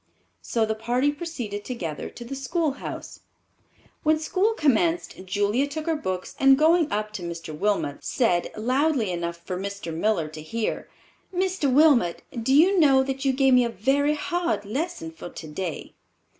So the party proceeded together to the schoolhouse. When school commenced Julia took her books and going up to Mr. Wilmot, said, loudly enough for Mr. Miller to hear: "Mr. Wilmot, do you know that you gave me a very hard lesson for today?"